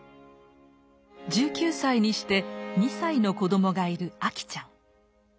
１９歳にして２歳の子どもがいる秋ちゃん。